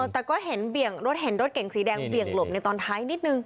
แล้วก็เห็นรถเก่งสีแดงเบี่ยงหลบในตอนท้ายนิดนึง